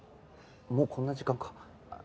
もうこんな時間か。